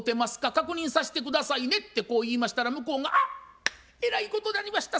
確認させて下さいね」ってこう言いましたら向こうが「あっえらいことなりました。